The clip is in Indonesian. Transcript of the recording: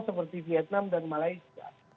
seperti vietnam dan malaysia